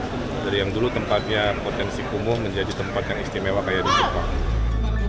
jadi dari yang dulu tempatnya potensi kumuh menjadi tempat yang istimewa kayak di jepang